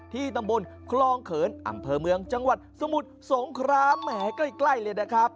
ตำบลคลองเขินอำเภอเมืองจังหวัดสมุทรสงครามแหมใกล้เลยนะครับ